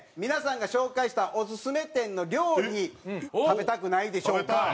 皆さんが紹介したオススメ店の料理食べたくないでしょうか？